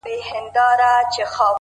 له دېوالونو یې رڼا پر ټوله ښار خپره ده”